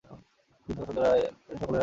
বৃদ্ধ বসন্ত রায় সকলের আগে আসিয়া দাঁড়াইলেন।